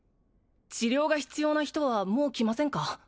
治療が必要な人はもう来ませんか？